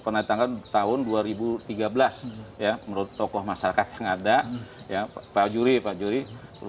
pernah ditangani tahun dua ribu tiga belas menurut tokoh masyarakat yang ada pak juri pak juri